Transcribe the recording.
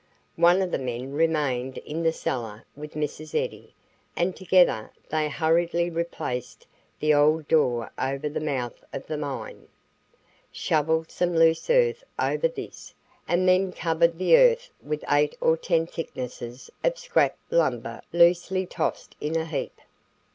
One of the men remained in the cellar with "Mrs. Eddy" and together they hurriedly replaced the old door over the mouth of the mine, shoveled some loose earth over this and then covered the earth with eight or ten thicknesses of scrap lumber loosely tossed in a heap.